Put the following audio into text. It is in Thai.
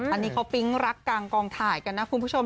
อันนี้เขาปิ๊งรักกลางกองถ่ายกันนะคุณผู้ชม